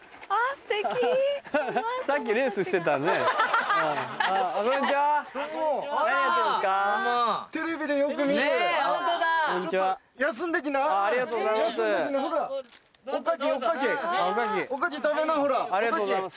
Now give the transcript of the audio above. ありがとうございます。